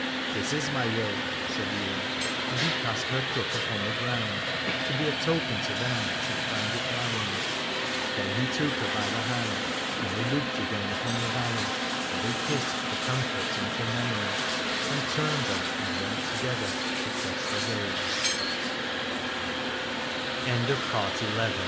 This is my will, said Ywain : and he cast her crook upon the ground, to be a token to them that should find it lying. Then he took her by the hand, and they looked again upon the valley : and they kissed for comfort and for memory, and turned them and wen